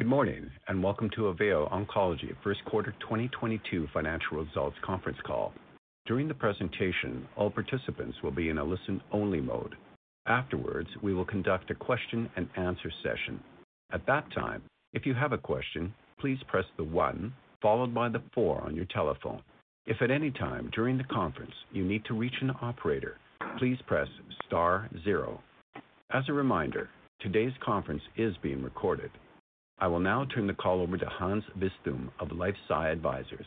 Good morning, and welcome to AVEO Oncology Q1 2022 financial results conference call. During the presentation, all participants will be in a listen-only mode. Afterwards, we will conduct a question-and-answer session. At that time, if you have a question, please press the one followed by the four on your telephone. If at any time during the conference you need to reach an operator, please press star zero. As a reminder, today's conference is being recorded. I will now turn the call over to Hans Vitzthum of LifeSci Advisors.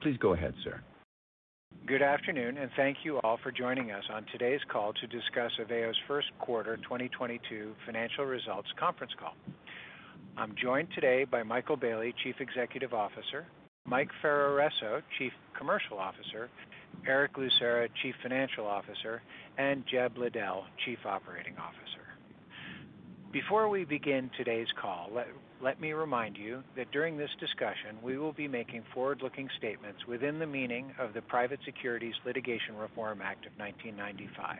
Please go ahead, sir. Good afternoon, and thank you all for joining us on today's call to discuss AVEO's Q1 2022 financial results conference call. I'm joined today by Michael Bailey, Chief Executive Officer, Mike Ferraresso, Chief Commercial Officer, Erick Lucera, Chief Financial Officer, and Jeb Liddell, Chief Operating Officer. Before we begin today's call, let me remind you that during this discussion we will be making forward-looking statements within the meaning of the Private Securities Litigation Reform Act of 1995.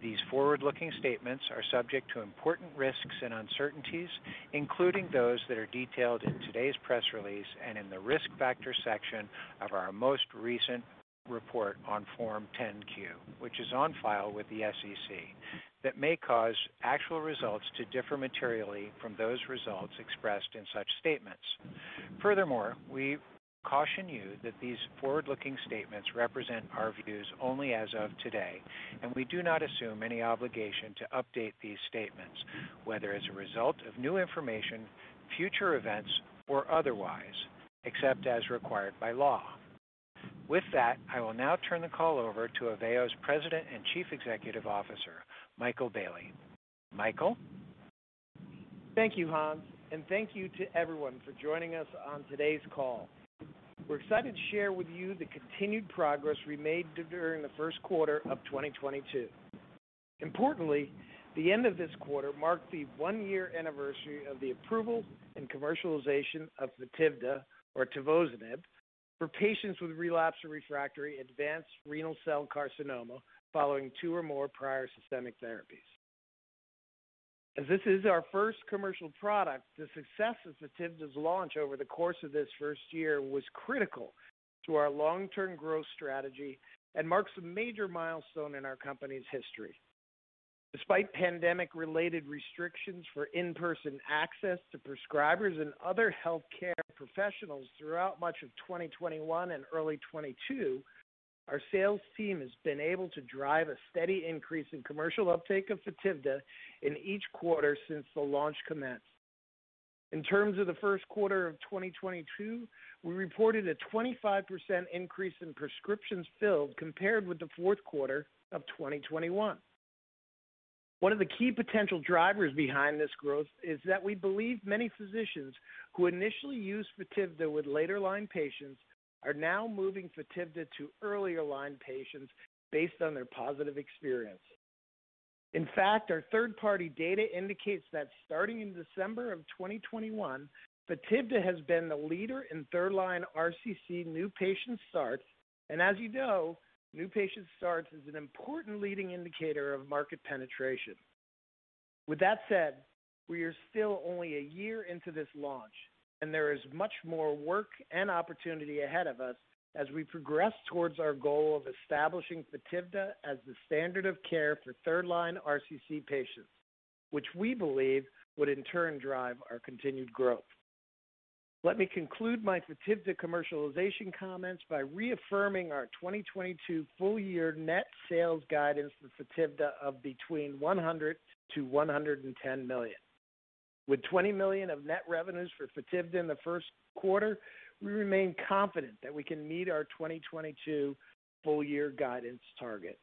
These forward-looking statements are subject to important risks and uncertainties, including those that are detailed in today's press release and in the risk factors section of our most recent report on Form 10-Q, which is on file with the SEC, that may cause actual results to differ materially from those results expressed in such statements. Furthermore, we caution you that these forward-looking statements represent our views only as of today, and we do not assume any obligation to update these statements, whether as a result of new information, future events, or otherwise, except as required by law. With that, I will now turn the call over to AVEO's President and Chief Executive Officer, Michael Bailey. Michael? Thank you, Hans, and thank you to everyone for joining us on today's call. We're excited to share with you the continued progress we made during the Q1 of 2022. Importantly, the end of this quarter marked the one-year anniversary of the approval and commercialization of FOTIVDA, or tivozanib, for patients with relapsed or refractory advanced renal cell carcinoma following two or more prior systemic therapies. As this is our first commercial product, the success of FOTIVDA's launch over the course of this first year was critical to our long-term growth strategy and marks a major milestone in our company's history. Despite pandemic-related restrictions for in-person access to prescribers and other healthcare professionals throughout much of 2021 and early 2022, our sales team has been able to drive a steady increase in commercial uptake of FOTIVDA in each quarter since the launch commenced. In terms of the first quarter of 2022, we reported a 25% increase in prescriptions filled compared with the fourth quarter of 2021. One of the key potential drivers behind this growth is that we believe many physicians who initially used FOTIVDA with later line patients are now moving FOTIVDA to earlier line patients based on their positive experience. In fact, our third-party data indicates that starting in December of 2021, FOTIVDA has been the leader in third-line RCC new patient starts. As you know, new patient starts is an important leading indicator of market penetration. With that said, we are still only a year into this launch, and there is much more work and opportunity ahead of us as we progress towards our goal of establishing FOTIVDA as the standard of care for third-line RCC patients, which we believe would in turn drive our continued growth. Let me conclude my FOTIVDA commercialization comments by reaffirming our 2022 full-year net sales guidance for FOTIVDA of between $100-$110 million. With $20 million of net revenues for FOTIVDA in the first quarter, we remain confident that we can meet our 2022 full-year guidance target.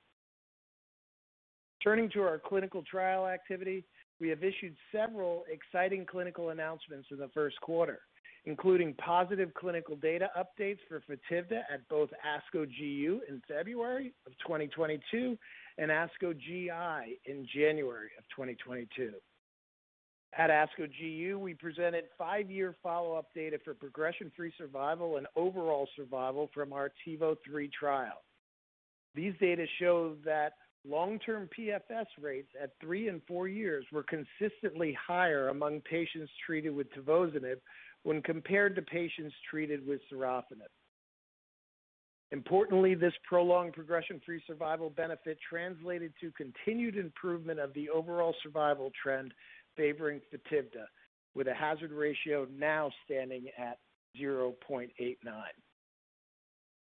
Turning to our clinical trial activity, we have issued several exciting clinical announcements in the first quarter, including positive clinical data updates for FOTIVDA at both ASCO GU in February 2022 and ASCO GI in January 2022. At ASCO GU, we presented five-year follow-up data for progression-free survival and overall survival from our TIVO-3 trial. These data show that long-term PFS rates at 3 and 4 years were consistently higher among patients treated with tivozanib when compared to patients treated with sorafenib. Importantly, this prolonged progression-free survival benefit translated to continued improvement of the overall survival trend favoring FOTIVDA, with a hazard ratio now standing at 0.89.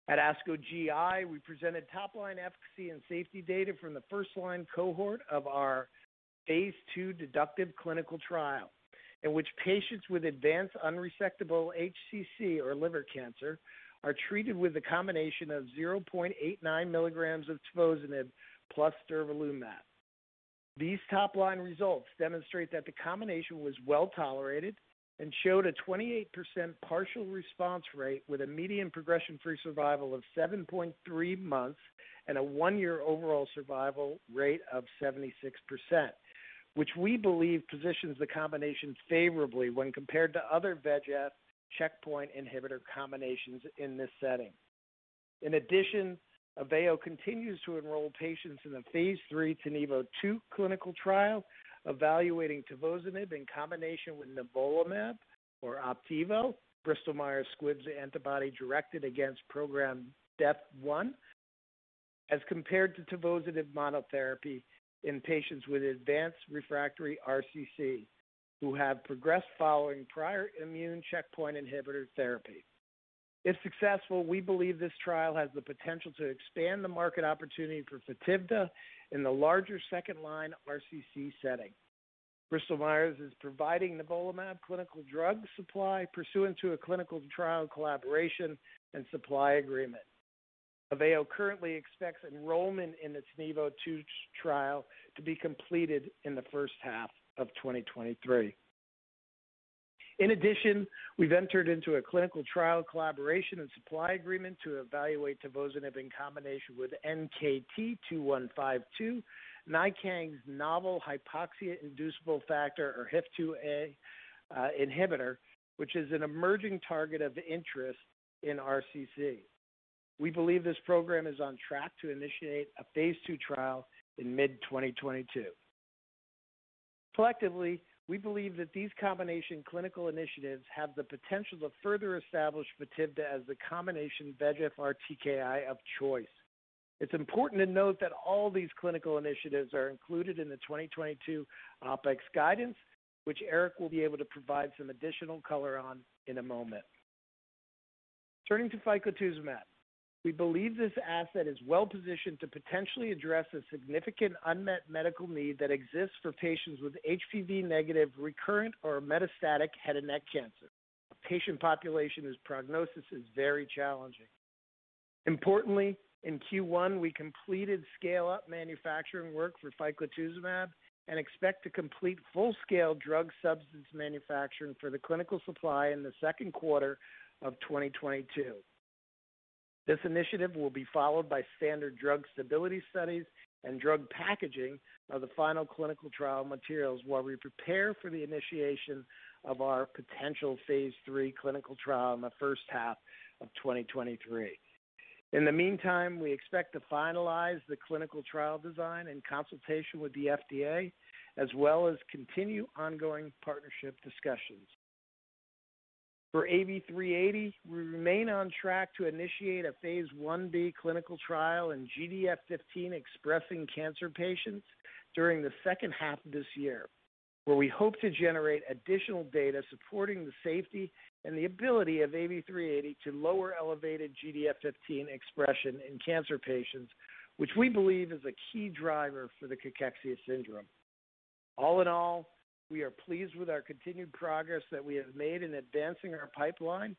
At ASCO GI, we presented top-line efficacy and safety data from the first line cohort of our phase 2 DEDUCTIVE clinical trial, in which patients with advanced unresectable HCC or liver cancer are treated with a combination of 0.89 milligrams of tivozanib plus durvalumab. These top-line results demonstrate that the combination was well-tolerated and showed a 28% partial response rate with a median progression-free survival of 7.3 months and a 1-year overall survival rate of 76%, which we believe positions the combination favorably when compared to other VEGF checkpoint inhibitor combinations in this setting. AVEO continues to enroll patients in the phase 3 TiNivo-2 clinical trial evaluating tivozanib in combination with nivolumab or Opdivo, Bristol Myers Squibb's antibody directed against program death one, as compared to tivozanib monotherapy in patients with advanced refractory RCC who have progressed following prior immune checkpoint inhibitor therapy. If successful, we believe this trial has the potential to expand the market opportunity for FOTIVDA in the larger second-line RCC setting. Bristol Myers is providing nivolumab clinical drug supply pursuant to a clinical trial collaboration and supply agreement. AVEO currently expects enrollment in the TiNivo-2 trial to be completed in the first half of 2023. In addition, we've entered into a clinical trial collaboration and supply agreement to evaluate tivozanib in combination with NKT-2152, NiKang's novel hypoxia-inducible factor or HIF-2α inhibitor, which is an emerging target of interest in RCC. We believe this program is on track to initiate a phase 2 trial in mid-2022. Collectively, we believe that these combination clinical initiatives have the potential to further establish FOTIVDA as the combination VEGF-TKI of choice. It's important to note that all these clinical initiatives are included in the 2022 OpEx guidance, which Erick will be able to provide some additional color on in a moment. Turning to ficlatuzumab, we believe this asset is well-positioned to potentially address a significant unmet medical need that exists for patients with HPV-negative recurrent or metastatic head and neck cancer. Patient population's prognosis is very challenging. Importantly, in Q1, we completed scale-up manufacturing work for ficlatuzumab and expect to complete full-scale drug substance manufacturing for the clinical supply in the second quarter of 2022. This initiative will be followed by standard drug stability studies and drug packaging of the final clinical trial materials while we prepare for the initiation of our potential phase 3 clinical trial in the first half of 2023. In the meantime, we expect to finalize the clinical trial design and consultation with the FDA, as well as continue ongoing partnership discussions. For AV-380, we remain on track to initiate a phase 1b clinical trial in GDF15-expressing cancer patients during the second half of this year, where we hope to generate additional data supporting the safety and the ability of AV-380 to lower elevated GDF15 expression in cancer patients, which we believe is a key driver for the cachexia syndrome. All in all, we are pleased with our continued progress that we have made in advancing our pipeline,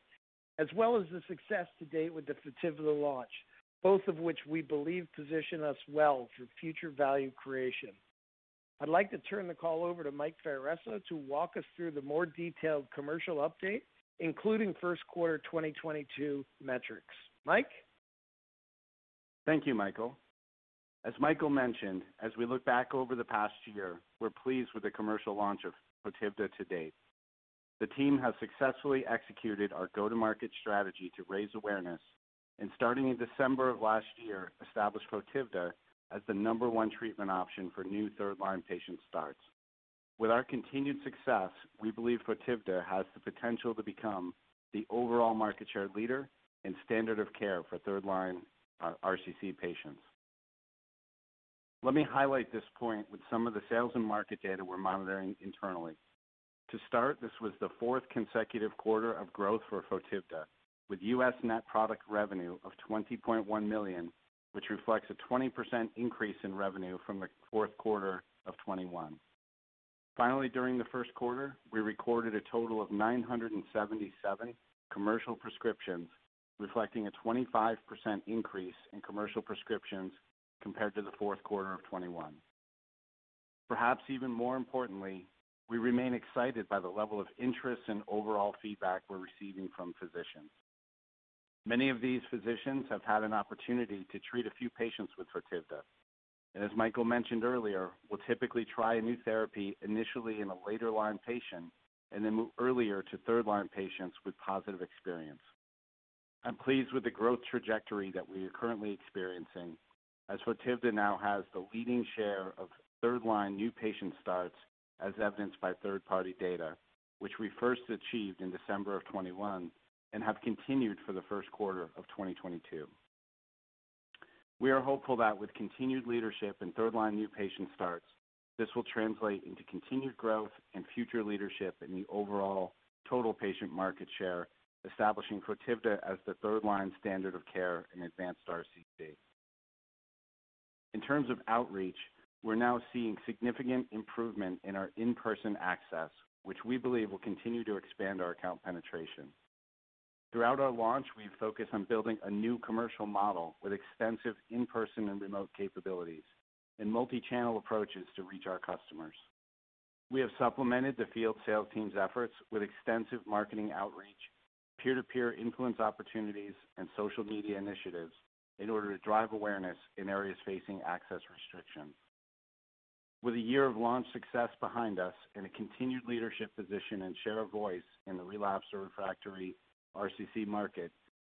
as well as the success to date with the FOTIVDA launch, both of which we believe position us well for future value creation. I'd like to turn the call over to Mike Ferraresso to walk us through the more detailed commercial update, including first quarter 2022 metrics. Mike? Thank you, Michael. As Michael mentioned, as we look back over the past year, we're pleased with the commercial launch of FOTIVDA to date. The team has successfully executed our go-to-market strategy to raise awareness, and starting in December of last year, established FOTIVDA as the number one treatment option for new third-line patient starts. With our continued success, we believe FOTIVDA has the potential to become the overall market share leader and standard of care for third-line RCC patients. Let me highlight this point with some of the sales and market data we're monitoring internally. To start, this was the fourth consecutive quarter of growth for FOTIVDA, with U.S. net product revenue of $20.1 million, which reflects a 20% increase in revenue from the fourth quarter of 2021. Finally, during the first quarter, we recorded a total of 977 commercial prescriptions, reflecting a 25% increase in commercial prescriptions compared to the fourth quarter of 2021. Perhaps even more importantly, we remain excited by the level of interest and overall feedback we're receiving from physicians. Many of these physicians have had an opportunity to treat a few patients with FOTIVDA. As Michael mentioned earlier, we'll typically try a new therapy initially in a later-line patient and then move earlier to third-line patients with positive experience. I'm pleased with the growth trajectory that we are currently experiencing, as FOTIVDA now has the leading share of third-line new patient starts, as evidenced by third-party data, which we first achieved in December of 2021 and have continued for the first quarter of 2022. We are hopeful that with continued leadership in third-line new patient starts, this will translate into continued growth and future leadership in the overall total patient market share, establishing FOTIVDA as the third-line standard of care in advanced RCC. In terms of outreach, we're now seeing significant improvement in our in-person access, which we believe will continue to expand our account penetration. Throughout our launch, we've focused on building a new commercial model with extensive in-person and remote capabilities and multi-channel approaches to reach our customers. We have supplemented the field sales team's efforts with extensive marketing outreach, peer-to-peer influence opportunities, and social media initiatives in order to drive awareness in areas facing access restrictions. With a year of launch success behind us and a continued leadership position and share of voice in the relapsed or refractory RCC market,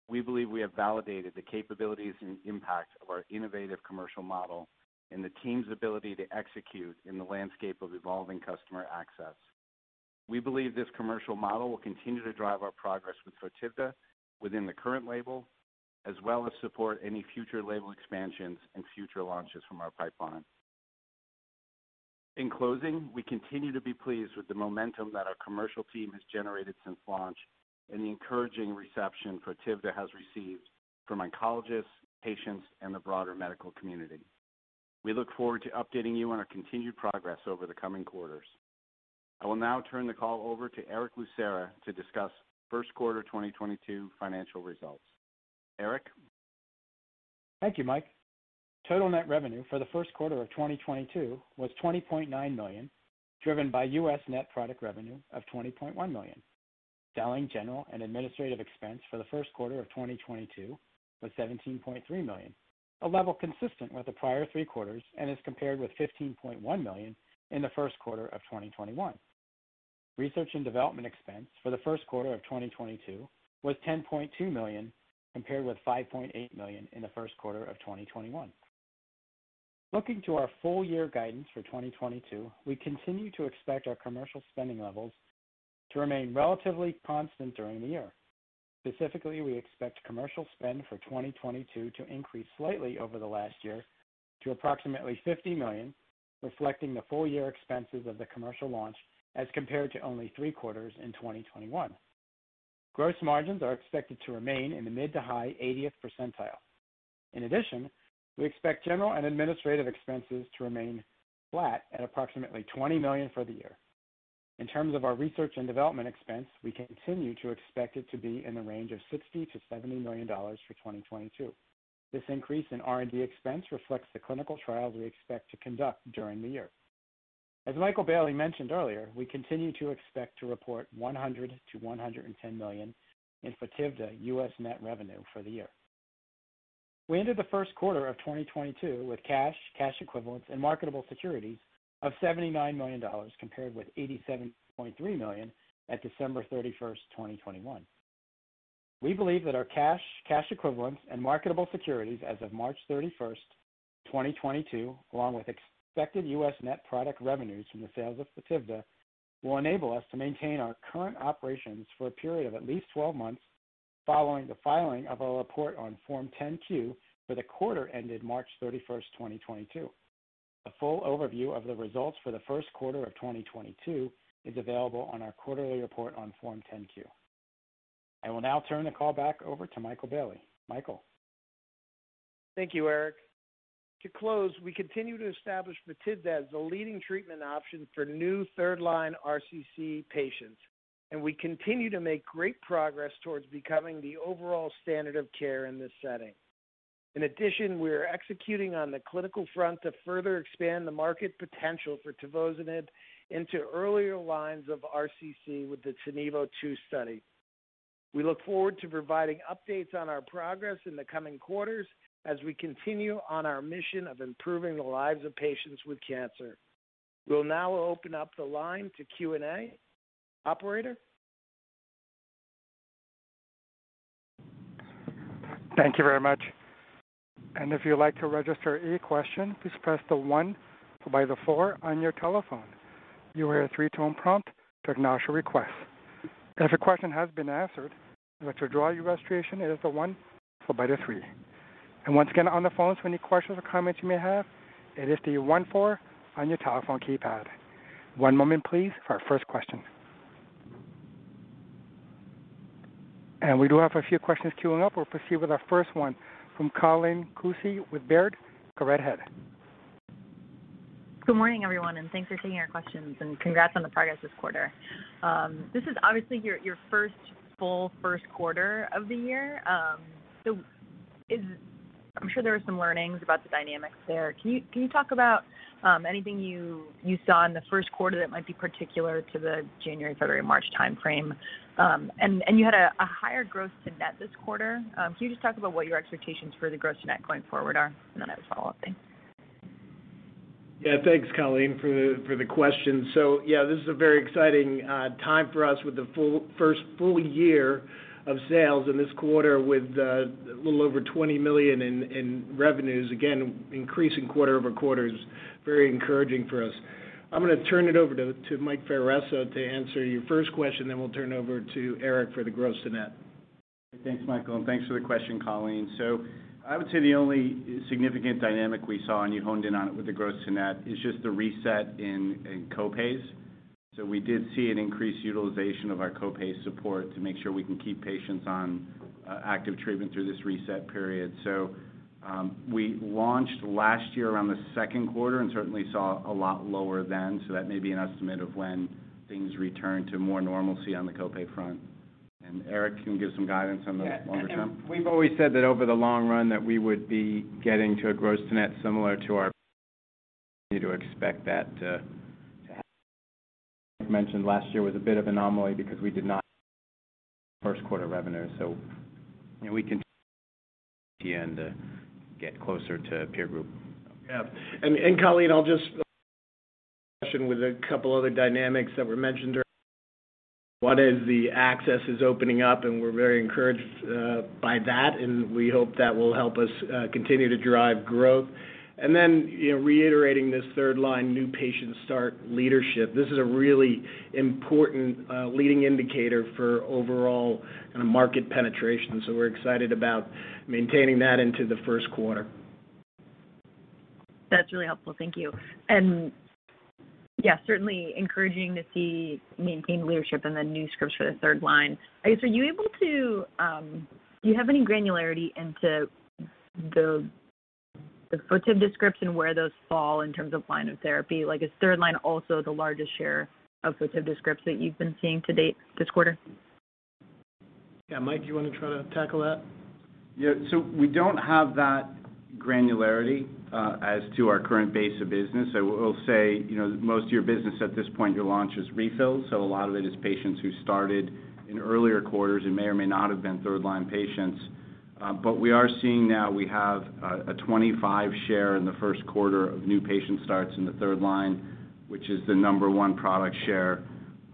we believe we have validated the capabilities and impact of our innovative commercial model and the team's ability to execute in the landscape of evolving customer access. We believe this commercial model will continue to drive our progress with FOTIVDA within the current label, as well as support any future label expansions and future launches from our pipeline. In closing, we continue to be pleased with the momentum that our commercial team has generated since launch and the encouraging reception FOTIVDA has received from oncologists, patients, and the broader medical community. We look forward to updating you on our continued progress over the coming quarters. I will now turn the call over to Erick Lucera to discuss first quarter 2022 financial results. Erick? Thank you, Mike. Total net revenue for the first quarter of 2022 was $20.9 million, driven by US net product revenue of $20.1 million. Selling, general and administrative expense for the first quarter of 2022 was $17.3 million, a level consistent with the prior three quarters and as compared with $15.1 million in the first quarter of 2021. Research and development expense for the first quarter of 2022 was $10.2 million, compared with $5.8 million in the first quarter of 2021. Looking to our full year guidance for 2022, we continue to expect our commercial spending levels to remain relatively constant during the year. Specifically, we expect commercial spend for 2022 to increase slightly over the last year to approximately $50 million, reflecting the full year expenses of the commercial launch as compared to only three quarters in 2021. Gross margins are expected to remain in the mid- to high-80s%. In addition, we expect general and administrative expenses to remain flat at approximately $20 million for the year. In terms of our research and development expense, we continue to expect it to be in the range of $60-$70 million for 2022. This increase in R&D expense reflects the clinical trial we expect to conduct during the year. As Michael Bailey mentioned earlier, we continue to expect to report $100-$110 million in FOTIVDA US net revenue for the year. We ended the first quarter of 2022 with cash equivalents and marketable securities of $79 million compared with $87.3 million at December 31, 2021. We believe that our cash equivalents and marketable securities as of March 31, 2022, along with expected U.S. net product revenues from the sales of FOTIVDA, will enable us to maintain our current operations for a period of at least 12 months following the filing of our report on Form 10-Q for the quarter ended March 31, 2022. A full overview of the results for the first quarter of 2022 is available on our quarterly report on Form 10-Q. I will now turn the call back over to Michael Bailey. Michael? Thank you, Erick. To close, we continue to establish FOTIVDA as the leading treatment option for new third line RCC patients, and we continue to make great progress towards becoming the overall standard of care in this setting. In addition, we are executing on the clinical front to further expand the market potential for tivozanib into earlier lines of RCC with the TiNivo-2 study. We look forward to providing updates on our progress in the coming quarters as we continue on our mission of improving the lives of patients with cancer. We'll now open up the line to Q&A. Operator? Thank you very much. If you'd like to register a question, please press the one followed by the four on your telephone. You will hear a three-tone prompt to acknowledge your request. If your question has been answered, to withdraw your registration, it is the one followed by the three. Once again, on the phone, so any questions or comments you may have, it is the one four on your telephone keypad. One moment please for our first question. We do have a few questions queuing up. We'll proceed with our first one from Colleen Kusy with Baird. Go right ahead. Good morning, everyone, and thanks for taking our questions and congrats on the progress this quarter. This is obviously your first full quarter of the year. I'm sure there are some learnings about the dynamics there. Can you talk about anything you saw in the first quarter that might be particular to the January, February, March time frame? You had a higher gross to net this quarter. Can you just talk about what your expectations for the gross to net going forward are? I have a follow-up. Thanks. Yeah. Thanks, Colleen, for the question. This is a very exciting time for us with the first full year of sales in this quarter with a little over $20 million in revenues. Increasing quarter-over-quarter is very encouraging for us. I'm gonna turn it over to Mike Ferraresso to answer your first question. Then we'll turn it over to Erick for the gross to net. Thanks, Michael, and thanks for the question, Colleen. I would say the only significant dynamic we saw, and you honed in on it with the gross to net, is just the reset in co-pays. We did see an increased utilization of our co-pay support to make sure we can keep patients on active treatment through this reset period. We launched last year around the second quarter and certainly saw a lot lower then. That may be an estimate of when things return to more normalcy on the co-pay front. Erick, can you give some guidance on the longer term? Yeah. We've always said that over the long run that we would be getting to a gross to net similar to our peers, and we continue to expect that. As mentioned, last year was a bit of an anomaly because we had no first quarter revenue, so, you know, we can at the end get closer to the peer group. Colleen, I'll just with a couple other dynamics that were mentioned earlier. One is the access is opening up, and we're very encouraged by that, and we hope that will help us continue to drive growth. Then, you know, reiterating this third line, new patient start leadership. This is a really important leading indicator for overall kinda market penetration. We're excited about maintaining that into the first quarter. That's really helpful. Thank you. Yeah, certainly encouraging to see maintained leadership and then new scripts for the third line. I guess, are you able to? Do you have any granularity into the FOTIVDA description where those fall in terms of line of therapy? Like, is third line also the largest share of FOTIVDA scripts that you've been seeing to date this quarter? Yeah. Mike, do you wanna try to tackle that? Yeah. We don't have that granularity as to our current base of business. We'll say, you know, most of your business at this point, your launch is refills, so a lot of it is patients who started in earlier quarters and may or may not have been third line patients. But we are seeing now we have a 25% share in the first quarter of new patient starts in the third line, which is the number one product share.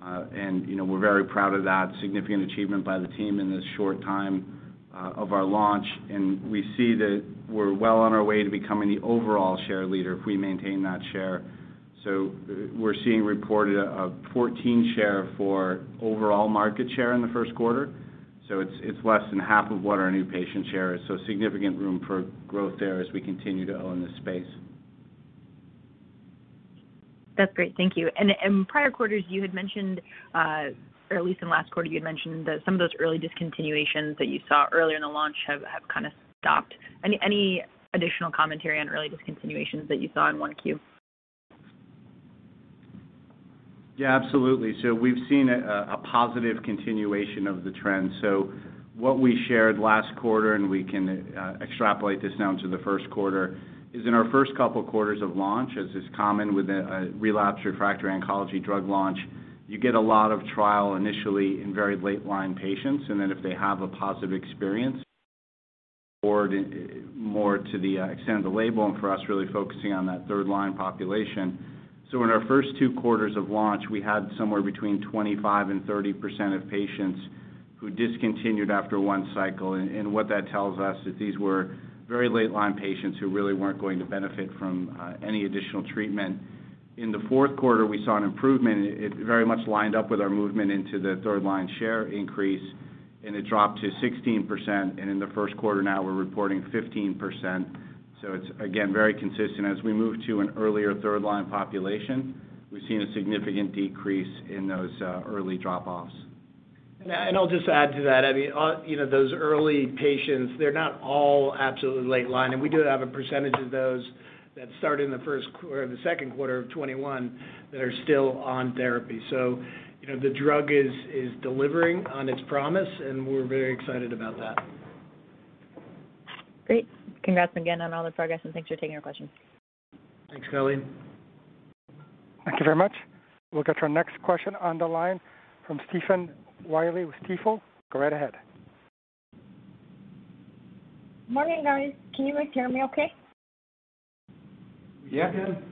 You know, we're very proud of that significant achievement by the team in this short time of our launch. We see that we're well on our way to becoming the overall share leader if we maintain that share. We're seeing reported a 14% share for overall market share in the first quarter, it's less than half of what our new patient share is. Significant room for growth there as we continue to own the space. That's great. Thank you. In prior quarters, you had mentioned, or at least in last quarter, you had mentioned that some of those early discontinuations that you saw earlier in the launch have kinda stopped. Any additional commentary on early discontinuations that you saw in 1Q? Yeah, absolutely. We've seen a positive continuation of the trend. What we shared last quarter, and we can extrapolate this now into the first quarter, is in our first couple quarters of launch, as is common with a relapse refractory oncology drug launch, you get a lot of trial initially in very late line patients, and then if they have a positive experience or more to the extent of the label, and for us really focusing on that third line population. In our first two quarters of launch, we had somewhere between 25% and 30% of patients who discontinued after one cycle. What that tells us is these were very late line patients who really weren't going to benefit from any additional treatment. In the fourth quarter, we saw an improvement. It very much lined up with our movement into the third line share increase, and it dropped to 16%. In the first quarter now we're reporting 15%, so it's again very consistent. As we move to an earlier third line population, we've seen a significant decrease in those early drop-offs. I'll just add to that. I mean, you know, those early patients, they're not all absolutely late line, and we do have a percentage of those that started in the first or the second quarter of 2021 that are still on therapy. You know, the drug is delivering on its promise, and we're very excited about that. Great. Congrats again on all the progress, and thanks for taking our questions. Thanks, Colleen. Thank you very much. We'll get your next question on the line from Stephen Willey with Stifel. Go right ahead. Morning, guys. Can you guys hear me okay? Yeah, can.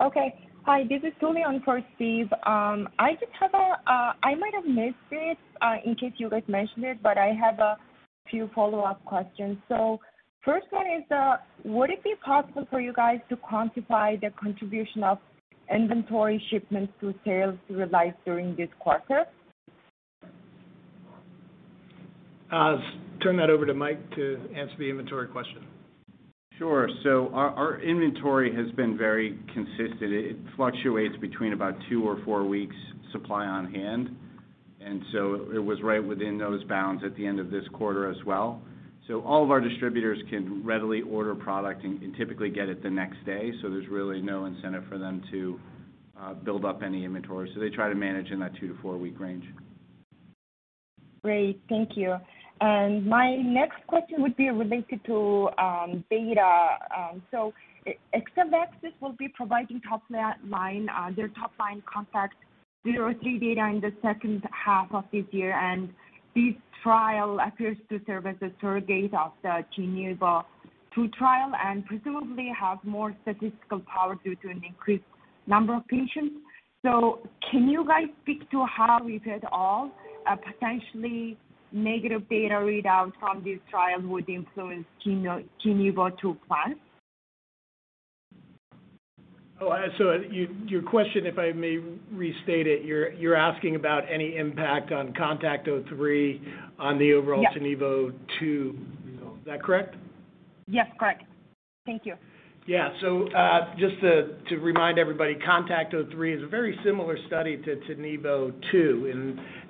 Okay. Hi, this is Julie on for Steve. I might have missed it in case you guys mentioned it, but I have a few follow-up questions. First one is, would it be possible for you guys to quantify the contribution of inventory shipments to sales realized during this quarter? I'll turn that over to Mike to answer the inventory question. Sure. Our inventory has been very consistent. It fluctuates between about 2 or 4 weeks supply on hand, and so it was right within those bounds at the end of this quarter as well. All of our distributors can readily order product and typically get it the next day, so there's really no incentive for them to build up any inventory. They try to manage in that 2-4-week range. Great. Thank you. My next question would be related to data. Exelixis will be providing top line, their top line CONTACT-03 data in the second half of this year, and this trial appears to serve as a surrogate of the TiNivo-2 trial and presumably have more statistical power due to an increased number of patients. Can you guys speak to how a potentially negative data readout from this trial would influence TiNivo-2? Your question, if I may restate it, you're asking about any impact on CONTACT-03 on the overall- Yeah. TiNivo-2. Is that correct? Yes. Correct. Thank you. Yeah. Just to remind everybody, CONTACT-03 is a very similar study to TiNivo-2,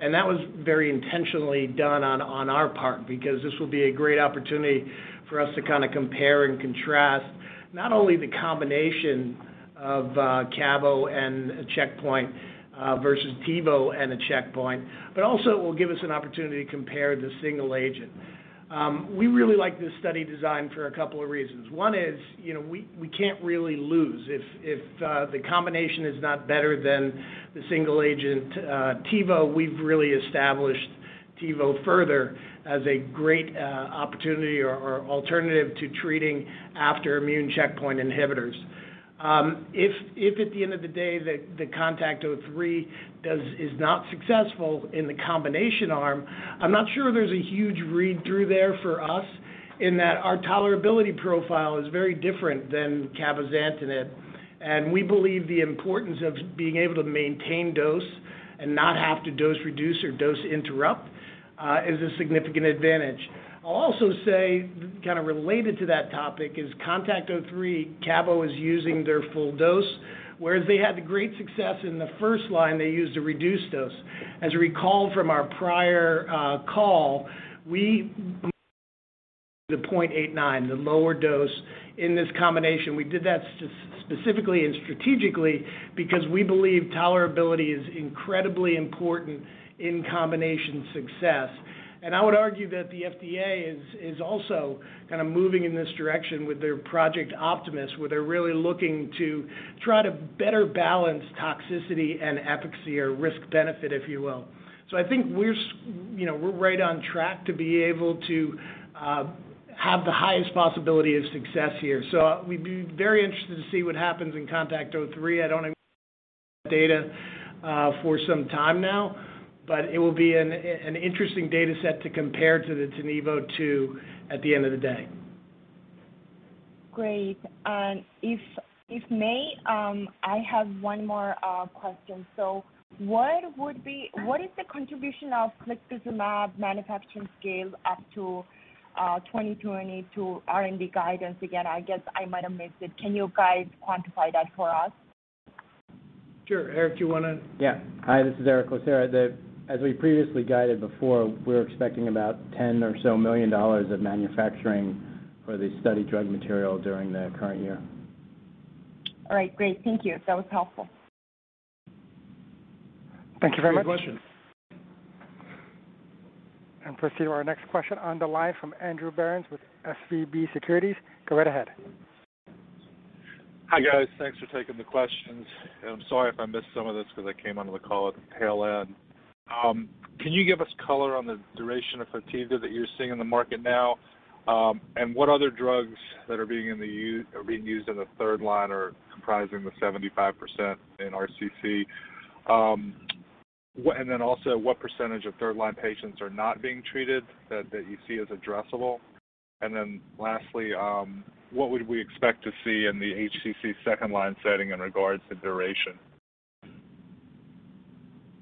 and that was very intentionally done on our part because this will be a great opportunity for us to kinda compare and contrast not only the combination of cabo and checkpoint versus tivozanib and a checkpoint, but also it will give us an opportunity to compare the single agent. We really like this study design for a couple of reasons. One is, you know, we can't really lose. If the combination is not better than the single agent tivozanib, we've really established tivozanib further as a great opportunity or alternative to treating after immune checkpoint inhibitors. If at the end of the day the CONTACT-03 is not successful in the combination arm, I'm not sure there's a huge read-through there for us in that our tolerability profile is very different than cabozantinib. We believe the importance of being able to maintain dose and not have to dose reduce or dose interrupt is a significant advantage. I'll also say, kind of related to that topic, CONTACT-03, cabo is using their full dose, whereas they had the great success in the first line they used a reduced dose. As you recall from our prior call, we the 0.89, the lower dose in this combination. We did that specifically and strategically because we believe tolerability is incredibly important in combination success. I would argue that the FDA is also kind of moving in this direction with their Project Optimus, where they're really looking to try to better balance toxicity and efficacy or risk benefit, if you will. I think you know, we're right on track to be able to have the highest possibility of success here. We'd be very interested to see what happens in CONTACT-03. I don't have data for some time now, but it will be an interesting data set to compare to the TiNivo-2 at the end of the day. Great. If I may, I have one more question. What is the contribution of ficlatuzumab manufacturing scale up to 2020 R&D guidance? Again, I guess I might have missed it. Can you guys quantify that for us? Sure. Erick, do you wanna Yeah. Hi, this is Erick Lucera. As we previously guided before, we're expecting about $10 or so million of manufacturing for the study drug material during the current year. All right. Great. Thank you. That was helpful. Thank you very much. Great question. Proceed to our next question on the line from Andrew Berens with SVB Securities. Go right ahead. Hi, guys. Thanks for taking the questions. I'm sorry if I missed some of this because I came onto the call at the tail end. Can you give us color on the duration of FOTIVDA that you're seeing in the market now? And what other drugs are being used in the third line are comprising the 75% in RCC? And then also, what percentage of third-line patients are not being treated that you see as addressable? And then lastly, what would we expect to see in the HCC second-line setting in regards to duration?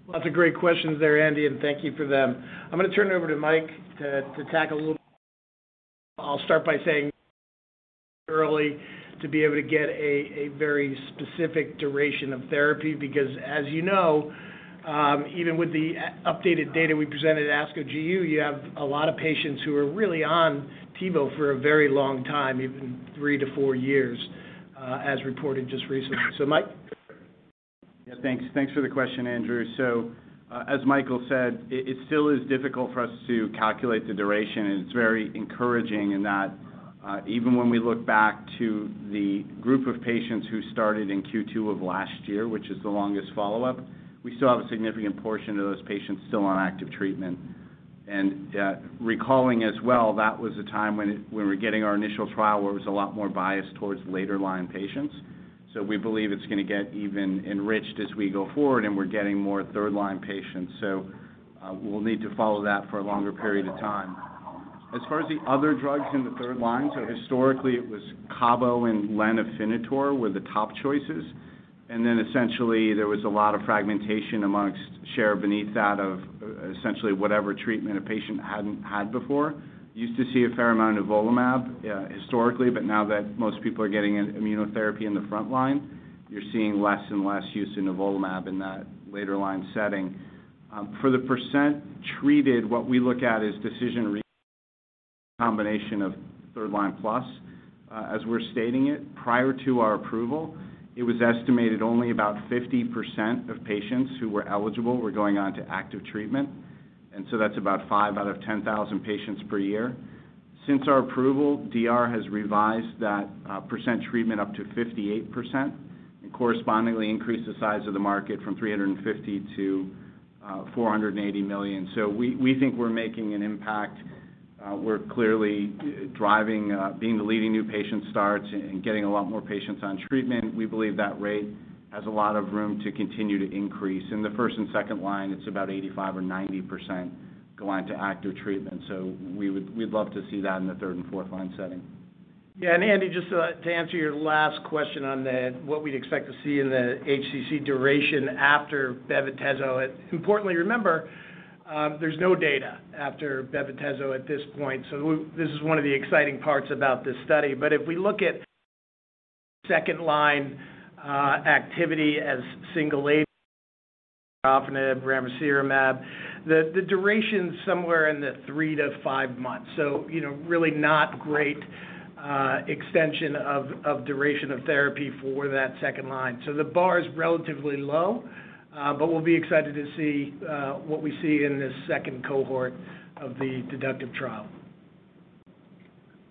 Lots of great questions there, Andy, and thank you for them. I'm gonna turn it over to Mike to tackle. I'll start by saying it's early to be able to get a very specific duration of therapy because as you know, even with the updated data we presented at ASCO GU, you have a lot of patients who are really on tivozanib for a very long time, even 3-4 years, as reported just recently. So Mike? Thanks for the question, Andrew. As Michael said, it still is difficult for us to calculate the duration, and it's very encouraging in that, even when we look back to the group of patients who started in Q2 of last year, which is the longest follow-up, we still have a significant portion of those patients still on active treatment. Recalling as well, that was a time when we were getting our initial trial where it was a lot more biased towards later line patients. We believe it's gonna get even enriched as we go forward, and we're getting more third-line patients. We'll need to follow that for a longer period of time. As far as the other drugs in the third line, historically it was Cabo and lenvatinib were the top choices. Essentially, there was a lot of fragmentation amongst therapies beyond that of essentially whatever treatment a patient hadn't had before. Used to see a fair amount of nivolumab historically, but now that most people are getting an immunotherapy in the front line, you're seeing less and less use of nivolumab in that later line setting. For the percent treated, what we look at is DRG's combination of third line plus. As we're stating it, prior to our approval, it was estimated only about 50% of patients who were eligible were going on to active treatment. That's about 5 out of 10,000 patients per year. Since our approval, DRG has revised that percent treated up to 58% and correspondingly increased the size of the market from $350 million to $480 million. We think we're making an impact. We're clearly driving being the leading new patient starts and getting a lot more patients on treatment. We believe that rate has a lot of room to continue to increase. In the first and second line, it's about 85 or 90% going to active treatment. We'd love to see that in the third and fourth line setting. Yeah. Andy, just to answer your last question on what we'd expect to see in the HCC duration after bev-atezo. Importantly, remember, there's no data after bev-atezo at this point, so this is one of the exciting parts about this study. If we look at second line activity as single agent ramucirumab, the duration's somewhere in the 3-5 months. You know, really not great extension of duration of therapy for that second line. The bar is relatively low, but we'll be excited to see what we see in this second cohort of the DEDUCTIVE trial.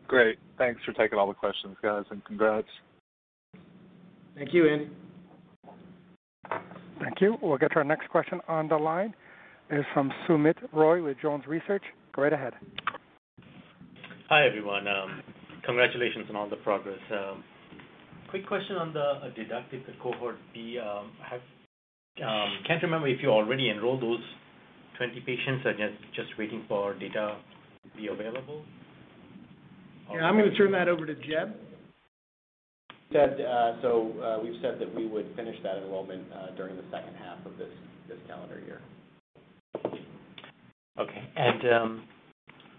Great. Thanks for taking all the questions, guys, and congrats. Thank you, Andy. Thank you. We'll get to our next question on the line. It is from Soumit Roy with Jones Research. Go right ahead. Hi, everyone. Congratulations on all the progress. Quick question on the DEDUCTIVE, the Cohort B. Can't remember if you already enrolled those 20 patients and just waiting for data to be available. Yeah, I'm gonna turn that over to Jeb. We've said that we would finish that enrollment during the second half of this calendar year.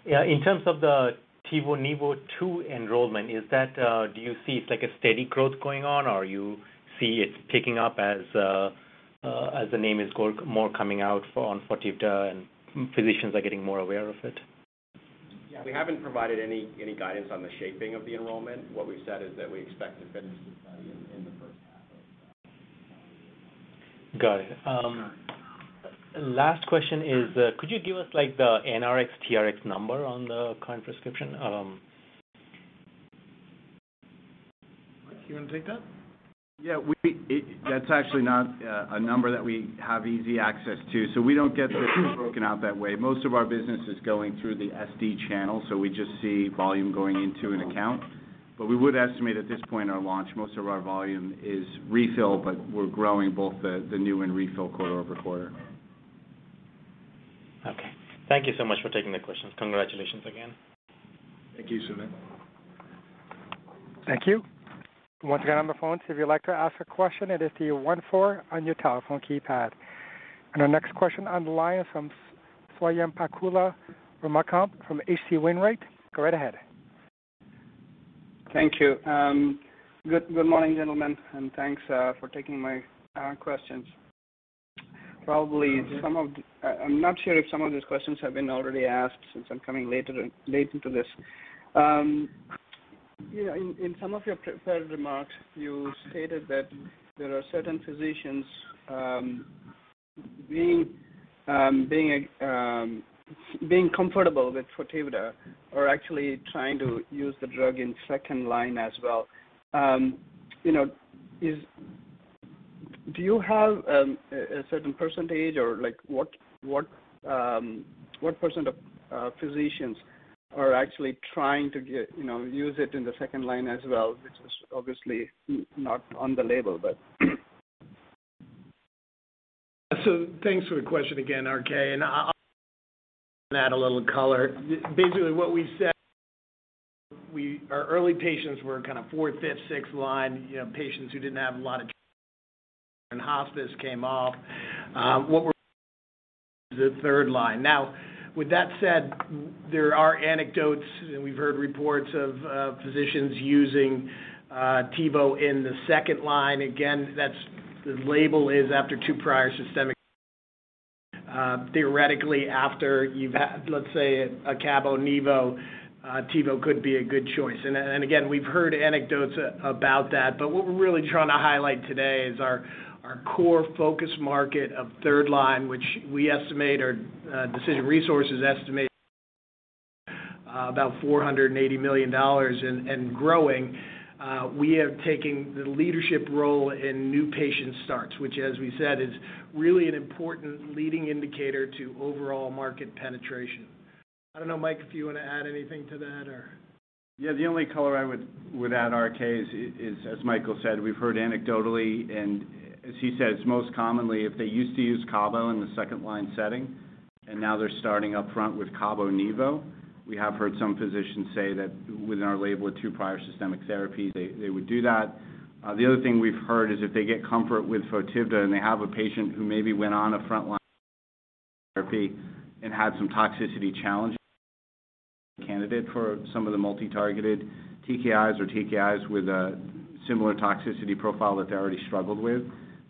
In terms of the TiNivo-2 enrollment, do you see it's like a steady growth going on, or you see it's picking up as the name is getting more coming out for FOTIVDA and physicians are getting more aware of it? Yeah, we haven't provided any guidance on the shaping of the enrollment. What we've said is that we expect to finish the study in the first half of the calendar year. Got it. Sure. Last question is, could you give us like the NRx, TRX number on the current prescription? Mike, you wanna take that? That's actually not a number that we have easy access to, so we don't get the broken out that way. Most of our business is going through the SP channel, so we just see volume going into an account. We would estimate at this point in our launch, most of our volume is refill, but we're growing both the new and refill quarter-over-quarter. Okay. Thank you so much for taking the questions. Congratulations again. Thank you, Soumit. Thank you. Once again, on the phone, if you'd like to ask a question, it is star one on your telephone keypad. Our next question on the line is from Go right ahead. Thank you. Good morning, gentlemen, and thanks for taking my questions. Probably some of these questions have been already asked, since I'm coming late into this. Yeah, in some of your pre-prepared remarks, you stated that there are certain physicians being comfortable with FOTIVDA or actually trying to use the drug in second line as well. You know, do you have a certain percentage or like what percent of physicians are actually trying to get, you know, use it in the second line as well, which is obviously not on the label, but. Thanks for the question again, RK, and I'll add a little color. Basically what we said, our early patients were kind of fourth, fifth, sixth line, you know, patients who didn't have a lot of in hospice came up. The third line. Now, with that said, there are anecdotes, and we've heard reports of physicians using tivo in the second line. Again, that's the label is after two prior systemic. Theoretically after you've had, let's say, a cabo-nivo, tivo could be a good choice. And again, we've heard anecdotes about that. But what we're really trying to highlight today is our core focus market of third line, which we estimate or Decision Resources estimate about $480 million and growing. We have taken the leadership role in new patient starts, which as we said, is really an important leading indicator to overall market penetration. I don't know, Mike, if you wanna add anything to that or. Yeah, the only color I would add, RK, is as Michael said, we've heard anecdotally, and as he said, it's most commonly if they used to use cabo in the second line setting, and now they're starting up front with cabo-nivo. We have heard some physicians say that within our label of two prior systemic therapies, they would do that. The other thing we've heard is if they get comfort with FOTIVDA and they have a patient who maybe went on a frontline therapy and had some toxicity challenge, candidate for some of the multi targeted TKIs or TKIs with a similar toxicity profile that they already struggled with,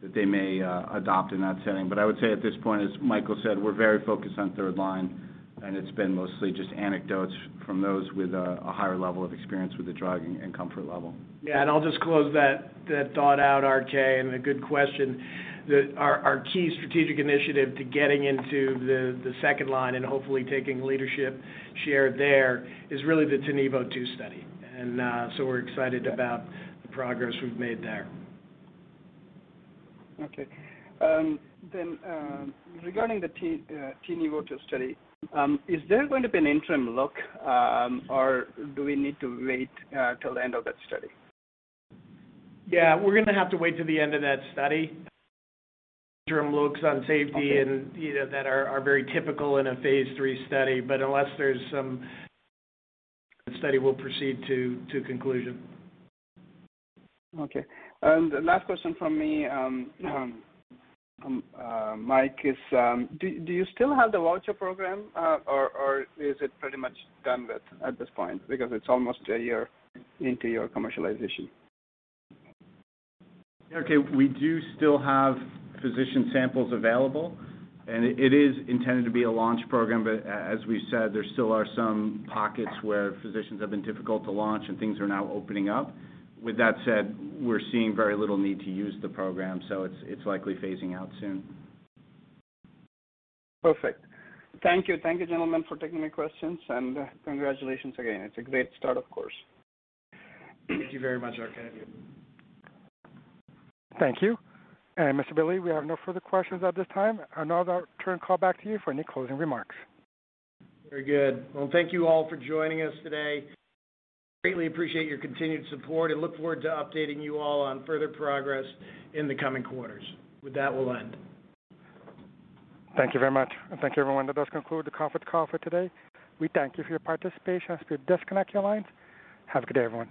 that they may adopt in that setting. I would say at this point, as Michael said, we're very focused on third line, and it's been mostly just anecdotes from those with a higher level of experience with the drug and comfort level. I'll just close that thought out, RK, and a good question, that's our key strategic initiative to getting into the second line and hopefully taking leadership share there is really the TiNivo-2 study. We're excited about the progress we've made there. Okay. Regarding the TiNivo-2 study, is there going to be an interim look, or do we need to wait till the end of that study? Yeah, we're gonna have to wait till the end of that study. Interim looks on safety and Okay. You know, that are very typical in a phase 3 study. Unless there's some, the study will proceed to conclusion. Okay. Last question from me, Mike, is do you still have the voucher program, or is it pretty much done with at this point? Because it's almost a year into your commercialization. RK, we do still have physician samples available, and it is intended to be a launch program. As we said, there still are some pockets where physicians have been difficult to launch and things are now opening up. With that said, we're seeing very little need to use the program, so it's likely phasing out soon. Perfect. Thank you. Thank you, gentlemen, for taking my questions, and congratulations again. It's a great start, of course. Thank you very much, RK. Thank you. Mr. Bailey, we have no further questions at this time. I'll now turn the call back to you for any closing remarks. Very good. Well, thank you all for joining us today. Greatly appreciate your continued support and look forward to updating you all on further progress in the coming quarters. With that, we'll end. Thank you very much. Thank you, everyone. That does conclude the conference call for today. We thank you for your participation. As we disconnect your lines, have a good day, everyone.